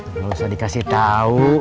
nggak usah dikasih tahu